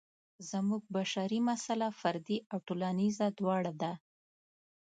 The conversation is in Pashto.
زموږ بشري مساله فردي او ټولنیزه دواړه ده.